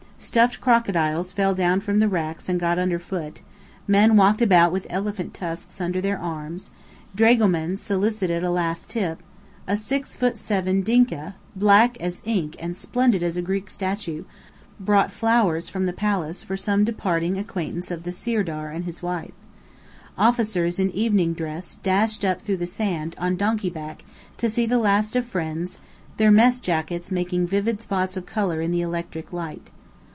Stuffed crocodiles fell down from racks and got underfoot: men walked about with elephant tusks under their arms; dragomans solicited a last tip; a six foot seven Dinka, black as ink and splendid as a Greek statue, brought flowers from the Palace for some departing acquaintance of the Sirdar and his wife. Officers in evening dress dashed up through the sand, on donkey back, to see the last of friends, their mess jackets making vivid spots of colour in the electric light.